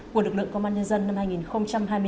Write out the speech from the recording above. của lực lượng công an nhân dân năm hai nghìn hai mươi ba